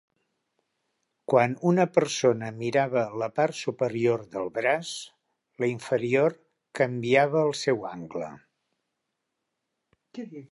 Quan una persona mirava la part superior del braç, la inferior canviava el seu angle.